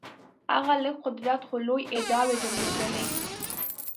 هغه لږ قدرت خو لویې ادعاوې درلودلې.